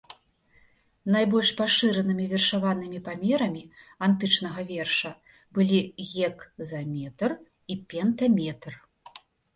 Найбольш пашыранымі вершаванымі памерамі антычнага верша былі гекзаметр і пентаметр.